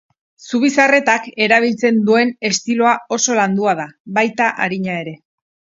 Zubizarretak erabiltzen duen estiloa oso landua da, baita arina ere.